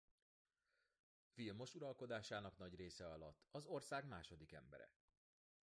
Vilmos uralkodásának nagy része alatt az ország második embere.